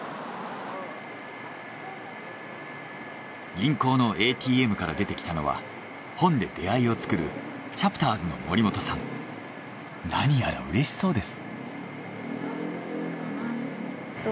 銀行のＡＴＭから出てきたのは本で出会いを作るなにやらうれしそうです。